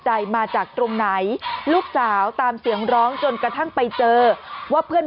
ใจมาจากตรงไหนลูกสาวตามเสียงร้องจนกระทั่งไปเจอว่าเพื่อน